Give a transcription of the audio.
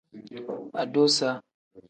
Adusa.